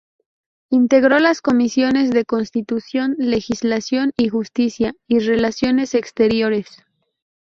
Integró las comisiones de Constitución, Legislación y Justicia; y Relaciones Exteriores.